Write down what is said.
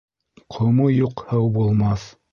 Ҡомо юҡ һыу булмаҫ